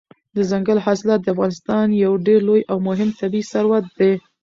دځنګل حاصلات د افغانستان یو ډېر لوی او مهم طبعي ثروت دی.